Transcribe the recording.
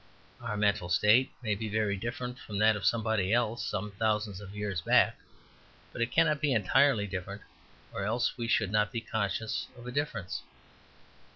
Our mental state may be very different from that of somebody else some thousands of years back; but it cannot be entirely different, or else we should not be conscious of a difference.